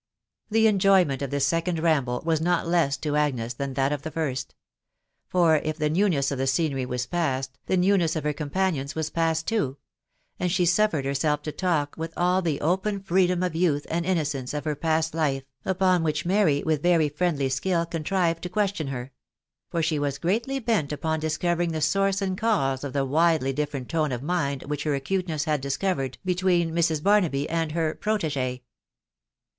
f£he enjoyment of this second rarafek was not less to Agnes than that of the first; for, if the newness, of the scenery vatpaat, . the newness of her companions was past too ; and she suffered herself to talk, with all the open freedom of youth and iaa eence, of her past life, upon which Mary, with very friendly rsktfl, ooatriwd to (jaeation her ; for she 'was greatly bent upon tf ismrverhBg the saauroe^aad cause of .the widely different tone wf anind which her aouteness had discovered between Mrs. Bar naby and her protegSe.